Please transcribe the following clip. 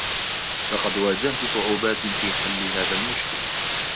لقد واجهت صعوبات في حلٌ هذا المشكل